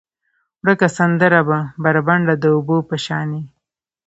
ورکه سندره به، بربنډه د اوبو په شانې،